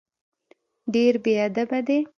ډېر بېادبه دی.